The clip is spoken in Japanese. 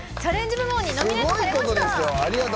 部門にノミネートされました。